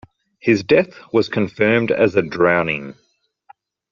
His death was confirmed as a drowning.